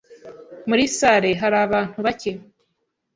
Muri salle hari abantu bake.